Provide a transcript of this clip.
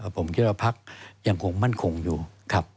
ผมคิดว่าพักยังคงมั่นคงอยู่ครับ